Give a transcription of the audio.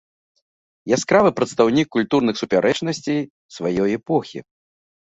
Яскравы прадстаўнік культурных супярэчнасцей сваёй эпохі.